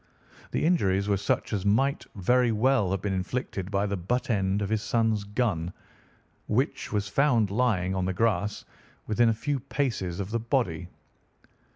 The injuries were such as might very well have been inflicted by the butt end of his son's gun, which was found lying on the grass within a few paces of the body.